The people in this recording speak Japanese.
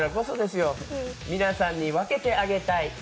皆さんに分けてあげたい。